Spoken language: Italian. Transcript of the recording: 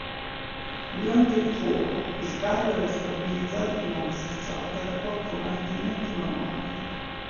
Durante il fuoco, il carro era stabilizzato sulla massicciata da quattro martinetti manuali.